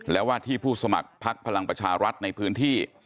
และว่าที่ผู้สมัครพักพลังประชารัฐในพื้นที่